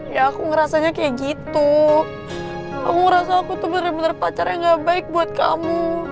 ya aku ngerasanya kayak gitu aku rasa aku tuh bener bener pacar yang gak baik buat kamu